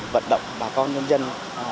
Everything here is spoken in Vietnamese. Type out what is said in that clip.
vận động bà con nhân dân